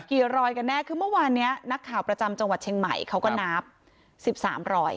รอยกันแน่คือเมื่อวานเนี้ยนักข่าวประจำจังหวัดเชียงใหม่เขาก็นับสิบสามรอย